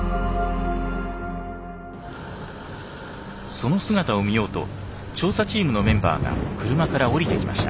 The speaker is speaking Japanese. その姿を見ようと調査チームのメンバーが車から降りてきました。